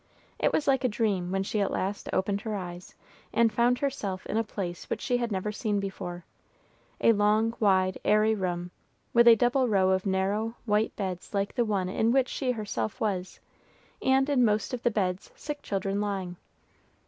It was like a dream when she at last opened her eyes, and found herself in a place which she had never seen before, a long, wide, airy room, with a double row of narrow, white beds like the one in which she herself was, and in most of the beds sick children lying.